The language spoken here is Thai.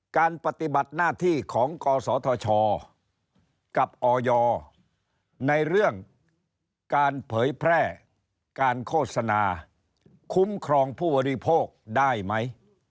การปฏิบัติหน้าที่ของกศธชกับออยในเรื่องการเผยแพร่การโฆษณาคุ้มครองผู้บริโภคได้ไหม